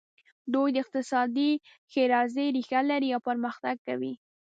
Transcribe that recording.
دوی د اقتصادي ښېرازۍ ریښه لري او پرمختګ کوي.